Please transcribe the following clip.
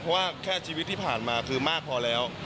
เพราะว่าแค่ชีวิตที่ผ่านมาคือมากพอแล้ว